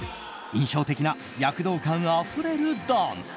印象的な躍動感あふれるダンス。